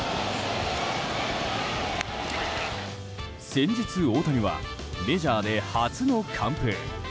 先日、大谷はメジャーで初の完封。